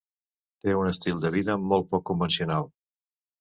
Té un estil de vida molt poc convencional.